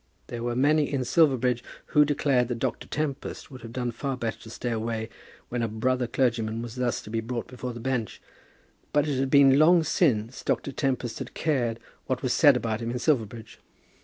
There were many in Silverbridge who declared that Dr. Tempest would have done far better to stay away when a brother clergyman was thus to be brought before the bench; but it had been long since Dr. Tempest had cared what was said about him in Silverbridge.